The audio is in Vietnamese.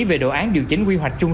về đồ án điều chỉnh quy hoạch chung